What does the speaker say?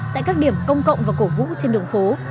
tại các điểm công cộng và cổ vũ trên đường phố